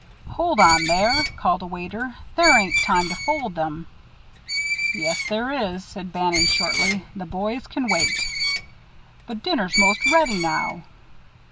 "Hold on, there," called a waiter. "There ain't time to fold them." "Yes, there is," said Bannon, shortly. "The boys can wait." "But dinner's most ready now."